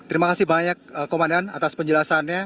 terima kasih banyak komandan atas penjelasannya